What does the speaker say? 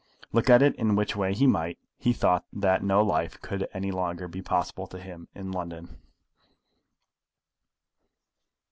Look at it in which way he might, he thought that no life could any longer be possible to him in London.